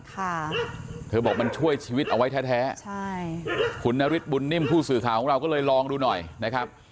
เธอบอกมันช่วยชีวิตเอาไว้แท้แท้ใช่คุณนฤทธบุญนิ่มผู้สื่อข่าวของเราก็เลยลองดูหน่อยนะครับ